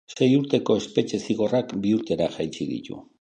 Sei urteko espetxe-zigorrak bi urtera jaitsi ditu.